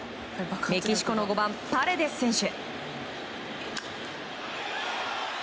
メキシコの５番、パレデス選手。